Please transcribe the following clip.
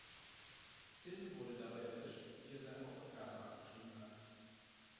Tim wurde dabei erwischt, wie er seine Hausaufgaben abgeschrieben hat.